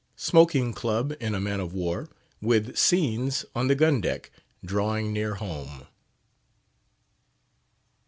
SMOKING CLUB IN A MAN OF WAR, WITH SCENES ON THE GUN DECK DRAWING NEAR HOME.